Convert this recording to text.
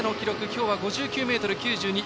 今日は５９ｍ９２。